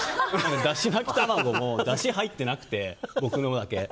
だし巻き卵もだし入ってなくて僕のだけ。